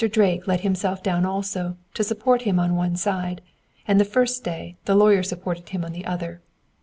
Drake let himself down also, to support him on one side, and the first day, the lawyer supported him on the other.